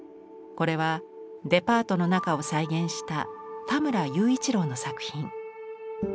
これはデパートの中を再現した田村友一郎の作品。